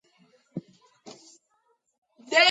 პალეოგენური პერიოდის დასაწყისში ჰავა ზომიერი იყო.